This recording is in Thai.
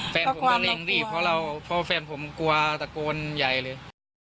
แฟนผมก็เร่งรีบเพราะแฟนผมกลัวตะโกนใหญ่เลย